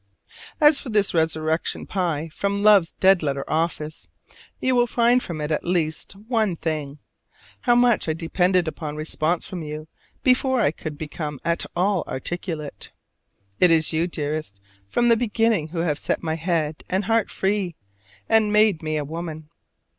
As for this resurrection pie from love's dead letter office, you will find from it at least one thing how much I depended upon response from you before I could become at all articulate. It is you, dearest, from the beginning who have set my head and heart free and made me a woman.